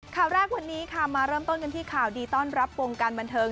ข่าวแรกวันนี้ค่ะมาเริ่มต้นกันที่ข่าวดีต้อนรับวงการบันเทิง